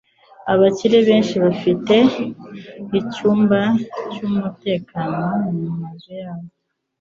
Abakire benshi bafite icyumba cyumutekano mumazu yabo.